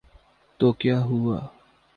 تو کیا ہوا۔